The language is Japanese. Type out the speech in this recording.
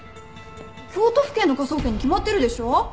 京都府警の科捜研に決まってるでしょ！